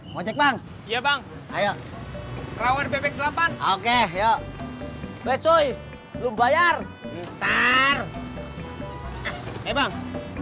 mocek bang iya bang ayo rawan bebek delapan oke yo hai becoi belum bayar ntar memang